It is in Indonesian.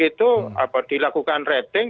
itu dilakukan rating